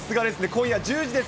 今夜１０時からです。